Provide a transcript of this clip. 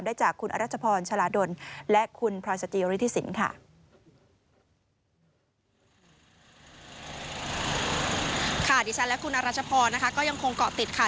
ดิฉันและคุณอนะคะก็ยังคงเกาะติดค่ะ